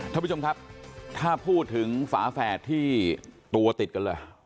ท่านผู้ชมครับถ้าพูดถึงฝาแฝดที่ตัวติดกันเลย